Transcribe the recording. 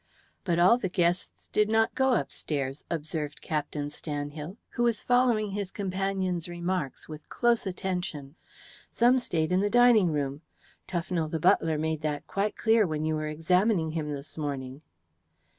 "But all the guests did not go upstairs," observed Captain Stanhill, who was following his companion's remarks with close attention. "Some stayed in the dining room. Tufnell, the butler, made that quite clear when you were examining him this morning."